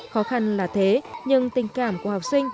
khó khăn là thế nhưng tình cảm của học sinh